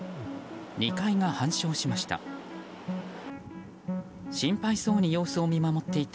２階が半焼しました。